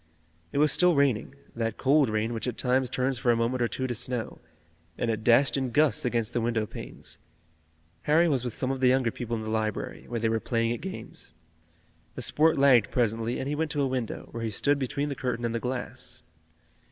It was still raining, that cold rain which at times turns for a moment or two to snow, and it dashed in gusts against the window panes. Harry was with some of the younger people in the library, where they were playing at games. The sport lagged presently and he went to a window, where he stood between the curtain and the glass.